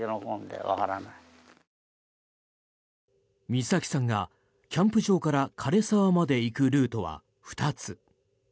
美咲さんがキャンプ場から枯れ沢まで行くルートは２つ。